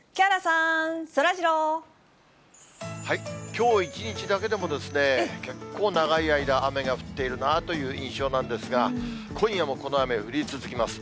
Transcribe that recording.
きょう一日だけでも、結構長い間、雨が降っているなという印象なんですが、今夜もこの雨、降り続きます。